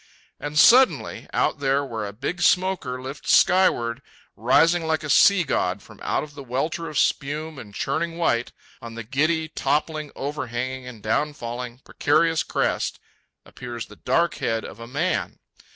And suddenly, out there where a big smoker lifts skyward, rising like a sea god from out of the welter of spume and churning white, on the giddy, toppling, overhanging and downfalling, precarious crest appears the dark head of a man.